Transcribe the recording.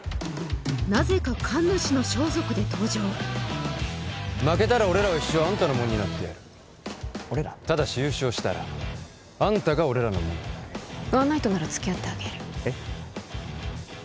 なぜか神主の装束で登場負けたら俺らは一生あんたのもんになってやる俺ら？ただし優勝したらあんたが俺らのもんになるワンナイトなら付き合ってあげるえっ？